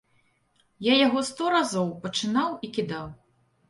Я яго сто разоў пачынаў і кідаў.